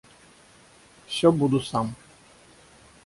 Всё буду сам.